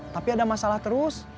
tapi ada masalah terus